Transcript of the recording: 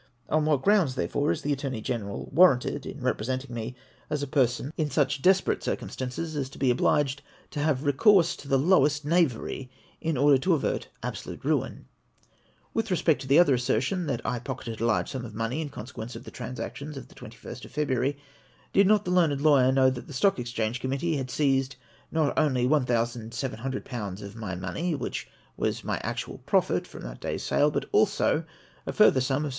On what grounds, therefore, is the Attorney Gene ral warranted in representing me as a person in such desperate 462 APPENDIX XIV. circumstances as to be obliged to have recourse to the lowest knavery in order to avert absolute ruin ? With respect to the other assertion, that I pocketed a large sum of money in consequence of the transactions of the 21st of February, did not the learned lawyer know that the Stock Exchange Committee had seized not only 1,700/. of my money, which was my actual profit from that day's sale, but also a further sum of 770